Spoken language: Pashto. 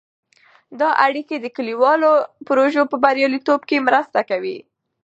دا اړیکې د کلیوالو پروژو په بریالیتوب کې مرسته کوي.